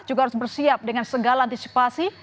juga harus bersiap dengan segala antisipasi